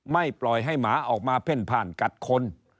ปล่อยให้หมาออกมาเพ่นผ่านกัดคน